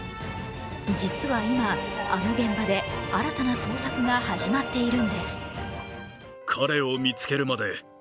実は今、あの現場で新たな捜索が始まっているのです。